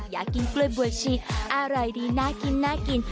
อยากกินกล้วยบัวชิดอร่อยดีน่ากินน่ากิน